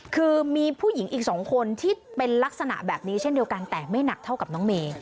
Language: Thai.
คือมีผู้หญิงอีกสองคนที่เป็นลักษณะแบบนี้เช่นเดียวกันแต่ไม่หนักเท่ากับน้องเมย์